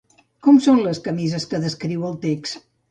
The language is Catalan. Com són les camises que descriu el text?